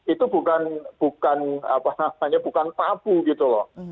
itu bukan bukan apa namanya bukan tabu gitu loh